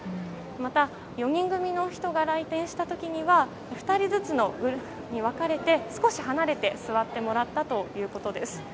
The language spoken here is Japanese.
また、４人組の人が来店した時には、２人ずつのグループに分かれて少し離れて座ってもらったということです。